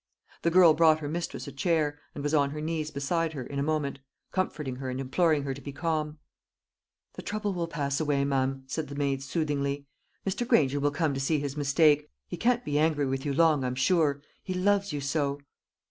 The girl brought her mistress a chair, and was on her knees beside her in a moment, comforting her and imploring her to be calm. "The trouble will pass away, ma'am," said the maid, soothingly. "Mr. Granger will come to see his mistake. He can't be angry with you long, I'm sure; he loves you so."